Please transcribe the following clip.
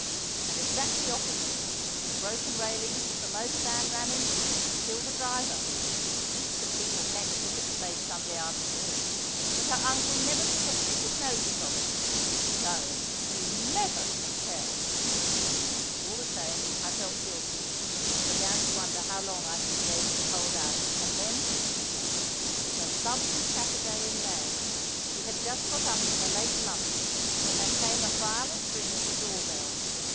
And exactly opposite, the broken railings that the motor van ran into and killed the driver; heaps of people came to look at the place Sunday afternoons. But her uncle never took a bit of notice of it. No, you never can tell! All the same, I felt guilty, and began to wonder how long I should be able to hold out! And then—— It was a lovely Saturday in May. We had just got up from a late lunch when there came a violent ring at the door bell.